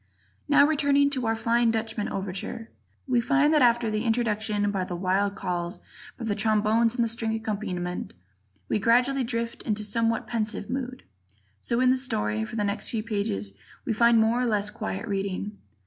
Now, returning to our "Flying Dutchman" overture, we find that after the introduction by the wild calls by the trombones and the string accompaniment, we gradually drift into a somewhat pensive mood; so in the story, for the next few pages we find more or less quiet reading.